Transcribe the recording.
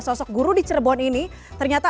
sosok guru di cirebon ini ternyata